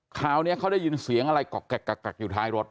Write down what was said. คราวนี้เขาได้ยินเสียงอะไรกอกอยู่ท้ายรถ